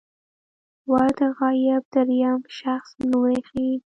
ور د غایب دریم شخص لوری ښيي.